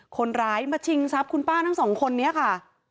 คนร้ายมาชิงทรัพย์คุณป้าทั้งสองคนนี้ค่ะ